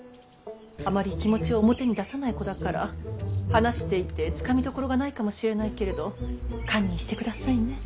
あまり気持ちを表に出さない子だから話していてつかみどころがないかもしれないけれど堪忍してくださいね。